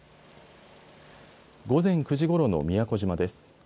午前９時ごろの宮古島です。